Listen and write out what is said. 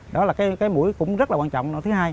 đó là cái mũi cũng rất là quan trọng